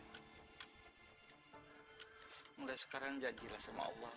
mulai sekarang janjilah sama allah